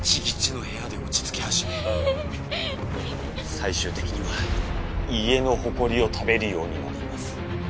最終的には家のホコリを食べるようになります。